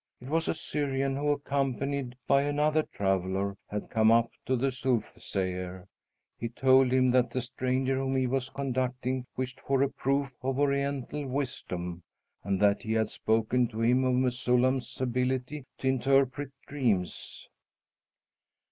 It was a Syrian who, accompanied by another traveller, had come up to the soothsayer. He told him that the stranger whom he was conducting wished for a proof of Oriental wisdom, and that he had spoken to him of Mesullam's ability to interpret dreams.